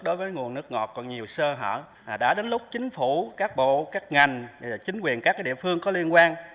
đối với nguồn nước ngọt còn nhiều sơ hở đã đến lúc chính phủ các bộ các ngành chính quyền các địa phương có liên quan